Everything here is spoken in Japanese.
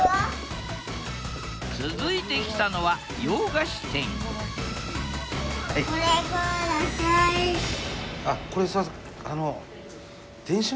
続いて来たのは洋菓子店これすいませんあの。